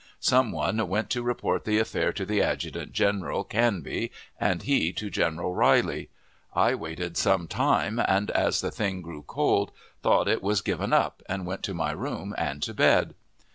Some one went to report the affair to the adjutant general, Canby, and he to General Riley. I waited some time, and, as the thing grew cold, I thought it was given up, and went to my room and to bed.